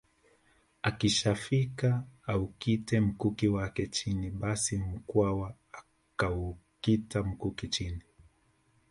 Akishafika aukite mkuki wake chini basi Mkwawa akaukita mkuki chini